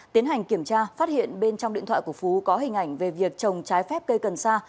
tiến hành kiểm tra phát hiện bên trong điện thoại của phú có hình ảnh về việc trồng trái phép cây cần sa